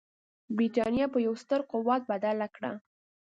برټانیه یې په یوه ستر قدرت بدله کړه.